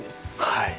はい！